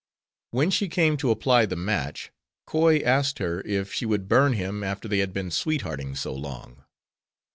When she came to apply the match Coy asked her if she would burn him after they had "been sweethearting" so long.